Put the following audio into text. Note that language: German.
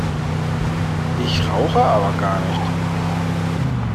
Ich rauche aber gar nicht!